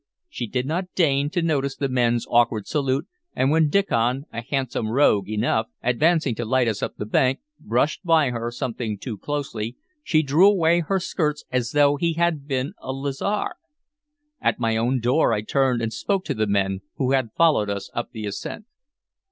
She did not deign to notice the men's awkward salute, and when Diccon, a handsome rogue enough, advancing to light us up the bank, brushed by her something too closely, she drew away her skirts as though he had been a lazar. At my own door I turned and spoke to the men, who had followed us up the ascent.